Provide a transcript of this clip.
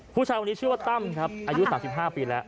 ผู้ชายคนนี้ชื่อว่าตั้มครับอายุ๓๕ปีแล้ว